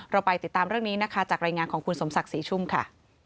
เราไปติดตามเรื่องนี้นะคะจากรายงานของคุณสมศักดิ์ศรีชุ่มค่ะ